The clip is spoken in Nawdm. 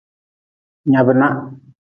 Nyab nah.